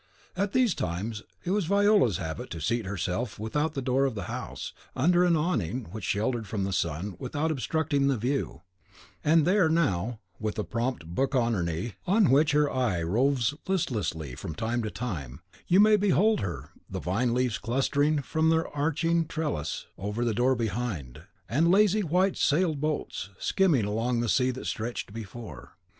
At these times it was Viola's habit to seat herself without the door of the house, under an awning which sheltered from the sun without obstructing the view; and there now, with the prompt book on her knee, on which her eye roves listlessly from time to time, you may behold her, the vine leaves clustering from their arching trellis over the door behind, and the lazy white sailed boats skimming along the sea that stretched before.